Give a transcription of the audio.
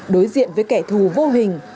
đối diện với kẻ thù vô hình